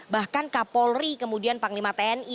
bahkan kapolri kemudian panglima tni